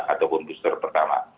ataupun booster pertama